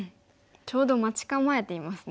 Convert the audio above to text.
ちょうど待ち構えていますね。